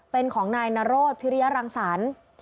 เป็นของนายนโรธพิริยรังสรรค์